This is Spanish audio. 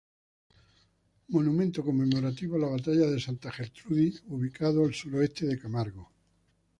Monumento conmemorativo a la batalla de Santa Gertrudis, ubicado al sureste de Camargo.